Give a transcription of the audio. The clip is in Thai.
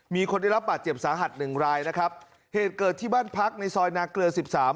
มีคนได้รับบาดเจ็บสาหัสหนึ่งรายนะครับเหตุเกิดที่บ้านพักในซอยนาเกลือสิบสาม